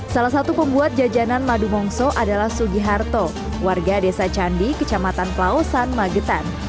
salah satu pembuat jajanan madu mongso adalah sugiharto warga desa candi kecamatan pelausan magetan